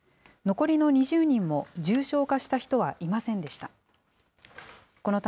残りの２０人も、重症化した人はいませんでした。